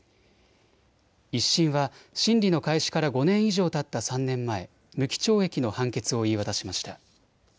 １審は審理の開始から５年以上たった３年前、無期懲役の判決を言い渡しました。